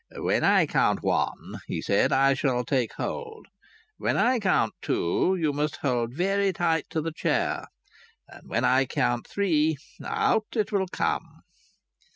"When I count one," he said, "I shall take hold; when I count two you must hold very tight to the chair; and when I count three, out it will come."